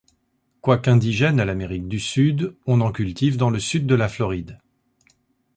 Quoiqu'indigène à l'Amérique du Sud, on en cultive dans le sud de la Floride.